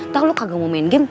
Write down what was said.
tau lo kagak mau main game